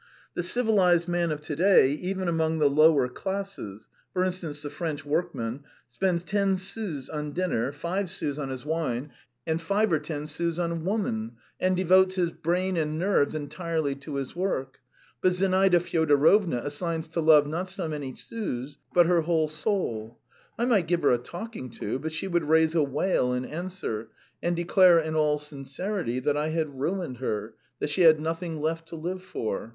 The civilised man of to day, even among the lower classes for instance, the French workman spends ten sous on dinner, five sous on his wine, and five or ten sous on woman, and devotes his brain and nerves entirely to his work. But Zinaida Fyodorovna assigns to love not so many sous, but her whole soul. I might give her a talking to, but she would raise a wail in answer, and declare in all sincerity that I had ruined her, that she had nothing left to live for."